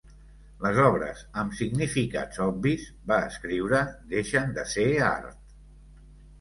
Les obres amb significats obvis, va escriure, deixen de ser art.